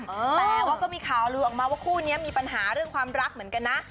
แต่ว่าก็มีข่าวลือออกมาว่าคู่นี้มีปัญหาเรื่องความรักเหมือนกันนะ